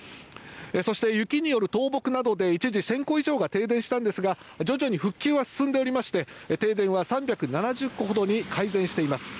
そして雪による倒木などで一時１０００戸以上が停電したんですが徐々に復旧は進んでおりまして停電は３７０戸ほどに改善しています。